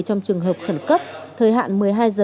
trong trường hợp khẩn cấp thời hạn một mươi hai h